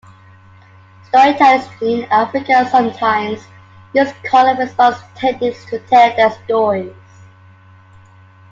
Storytellers in Africa sometimes use call-and-response techniques to tell their stories.